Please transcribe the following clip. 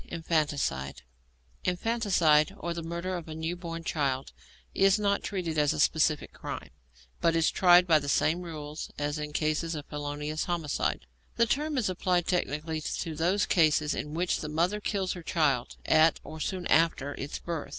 INFANTICIDE Infanticide, or the murder of a new born child, is not treated as a specific crime, but is tried by the same rules as in cases of felonious homicide. The term is applied technically to those cases in which the mother kills her child at, or soon after, its birth.